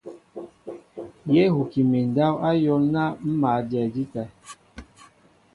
Yé huki mi ndáw áyól ná ḿ mǎl a jɛɛ ndíta.